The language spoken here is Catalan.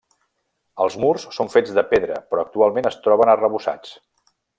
Els murs són fets de pedra però actualment es troben arrebossats.